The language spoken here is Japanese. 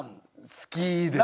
好きですね。